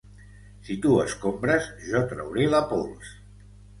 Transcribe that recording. Si tu escombres jo trauré la pols